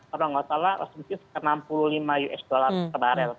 kalau nggak salah harusnya enam puluh lima usd kebarel